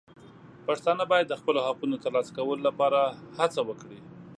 پښتانه باید د خپلو حقونو د ترلاسه کولو لپاره هڅه وکړي.